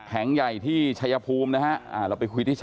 แถงใหญ่ที่ชายภูมินะ